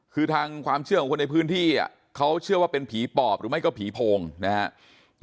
คือทางความเชื่อของคนในพื้นที่เขาเชื่อว่าเป็นผีปอบหรือไม่ก็ผีโพงนะครับ